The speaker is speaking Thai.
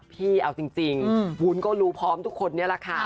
พี่เอาจริงวุ้นก็รู้พร้อมทุกคนนี้แหละค่ะ